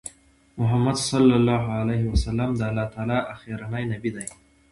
محمد صلی الله عليه وسلم د الله تعالی آخرنی نبی دی